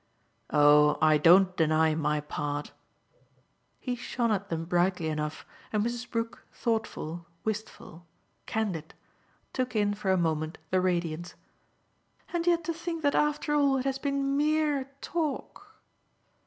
"Oh I don't deny my part." He shone at them brightly enough, and Mrs. Brook, thoughtful, wistful, candid, took in for a moment the radiance. "And yet to think that after all it has been mere TALK!"